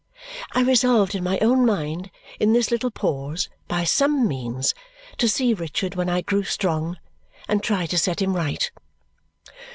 I resolved in my own mind in this little pause, by some means, to see Richard when I grew strong and try to set him right.